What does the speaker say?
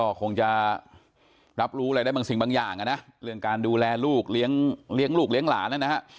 ก็คงจะรับรู้อะไรได้บางสิ่งบางอย่างนะเรื่องการดูแลลูกเลี้ยงลูกเลี้ยงหลานนะฮะ